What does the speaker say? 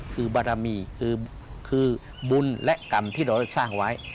คือบารมีคือบุญและกรรมที่เราสร้างไว้